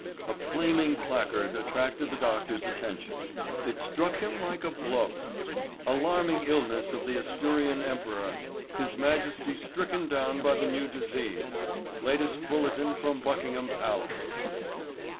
A flaming placard attracted the doctor's attention. It struck him like a blow. "Alarming illness of the Asturian Emperor. His Majesty stricken down by the new disease. Latest bulletin from Buckingham Palace."